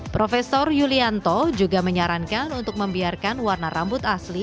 profesor yulianto juga menyarankan untuk membiarkan warna rambut asli